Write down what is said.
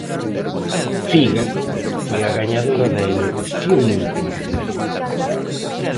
'Figa' foi a gañadora da elección interna.